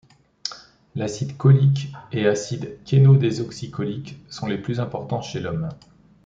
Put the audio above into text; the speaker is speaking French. L'acide cholique et acide chénodésoxycholique sont les plus importants chez l'homme.